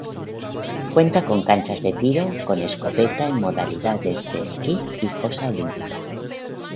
Cuenta con canchas de tiro con escopeta en modalidades de Skeet y Fosa Olímpica.